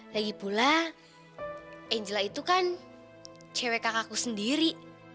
lagi pula angela itu kan cewek kakakku sendiri